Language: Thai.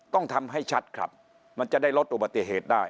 ต้องทำให้ชัดครับมันจะได้ลดอุบัติเหตุได้